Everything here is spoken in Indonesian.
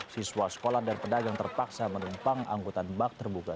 siswa sekolah dan pedagang terpaksa menumpang angkutan bak terbuka